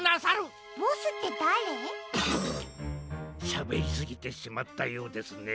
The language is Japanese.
しゃべりすぎてしまったようですね。